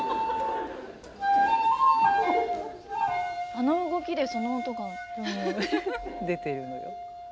あの動きでその音が。出てるのよ。